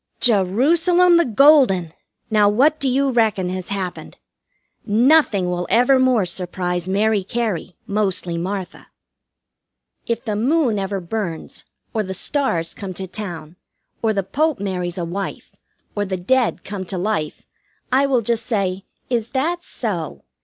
Jerusalem the Golden! Now, what do you reckon has happened! Nothing will evermore surprise Mary Cary, mostly Martha. If the moon ever burns, or the stars come to town, or the Pope marries a wife, or the dead come to life, I will just say, "Is that so?"